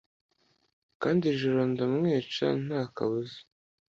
Kandi iri joro ndamwica ntakabuza